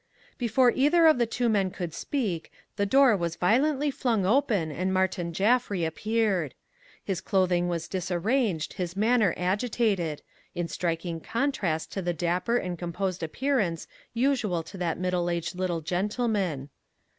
Before either of the two men could speak, the door was violently flung open and Martin Jaffry appeared. His clothing was disarranged, his manner agitated in striking contrast to the dapper and composed appearance usual to that middle aged little gentleman.